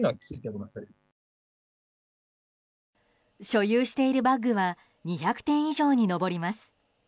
所有しているバッグは２００点以上に上ります。